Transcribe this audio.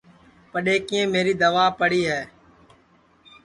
پڈؔؔیکِیئیپ میری دوا پڑی ہے